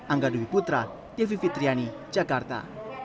angga dwi putra devi fitriani jakarta